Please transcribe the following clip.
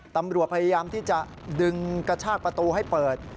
ตำรวจพยายามที่จะดึงกระชากประตูให้เปิด